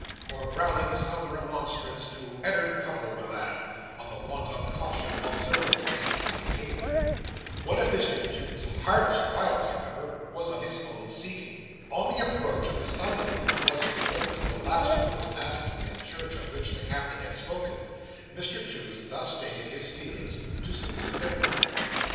or growling some remonstrance to "Ed'ard Cuttle, my lad," on the want of caution observable in his behaviour. One of Mr Toots's hardest trials, however, was of his own seeking. On the approach of the Sunday which was to witness the last of those askings in church of which the Captain had spoken, Mr Toots thus stated his feelings to Susan Nipper.